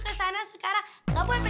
aku kesana sekarang juga oke